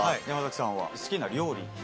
山崎さんは好きな料理。